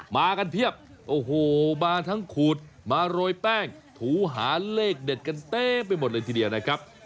มากันเพียบโอ้โหมาทั้งขูดมาโรยแป้งถูหาเลขเด็ดกันเต็มไปหมดเลยทีเดียวนะครับ